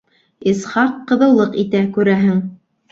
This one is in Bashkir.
Исхаҡ ҡыҙыулыҡ итә, күрәһең.